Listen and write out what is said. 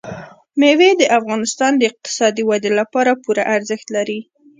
مېوې د افغانستان د اقتصادي ودې لپاره پوره ارزښت لري.